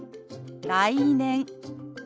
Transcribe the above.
「来年」。